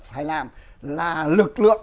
phải làm là lực lượng